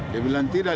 dia bilang tidak